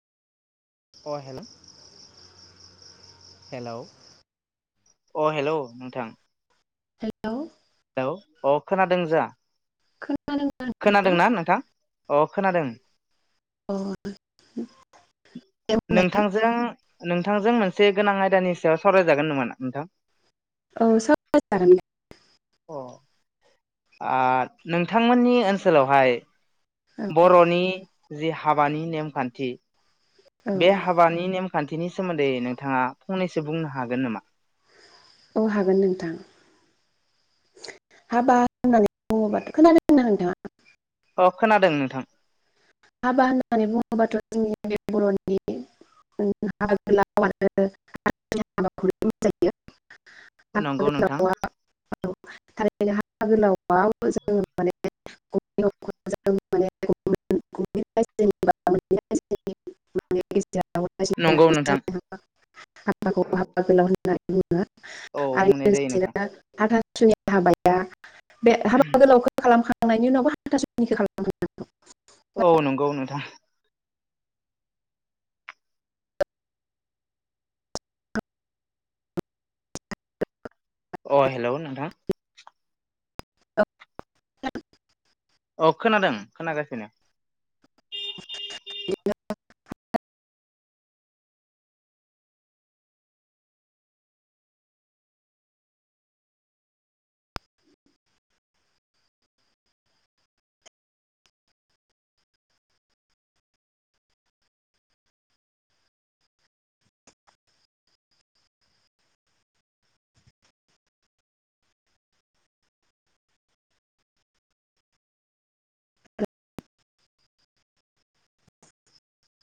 अ hello hello अ hello नोंथां hello hello अ खोनादों जा खोनादों खोनादों ना नोंथां? अ खोनादों अ दे बुंलाय नोंथांजों नोंथांजों मोनसे गोनां आयदानि सायाव सावरायजागोन नामा ना नोंथां? औ सावरायजागोन अ ओ नोंथांमोननि ओनसोलावहाय दे बर'नि जि हाबानि नेमखान्थि औ बे हाबानि नेमखान्थिनि सोमोन्दै नोंथाङा फंनैसो बुंनो हागोन नामा? औ हागोन नोंथां हाबा होननानै बुङोबाथ' खोनादोंना नोंथाङा अ खोनादों नोंथां। हाबा होननानै बुङोबाथ' जोंनि बर'नि। [unintelligible] हाबा नंगौ नोंथां। गोलावा थारैनो हाबा गोलावआव जोङो माने। नंगौ नोंथां [unintelligible] [unintelligible] होननानै बुङो औ आरो बुंनाय जायो नोंथां लोगोसेनो हाथासुनि हाबाया बे हाबा गोलावखौ खालामखांनायनि उनावबो हाथासुनिखौ खालाम [unintelligible] औ नंगौ नोंथां अ हेल' नोंथां अ खोनादों खोनागासिनो।